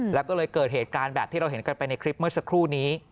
แล้วก็เลยเกิดเหตุการณ์แบบที่เราเห็นกันไปในคลิปเมื่อสักครู่นี้